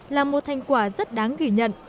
là một thành quả rất đáng ghi nhận